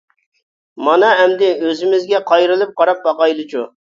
مانا ئەمدى ئۆزىمىزگە قايرىلىپ قاراپ باقايلىچۇ!